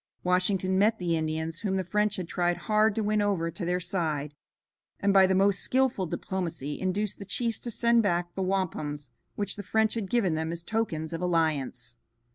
Washington met the Indians whom the French had tried hard to win over to their side, and by the most skilful diplomacy induced the chiefs to send back the wampums which the French had given them as tokens of alliance.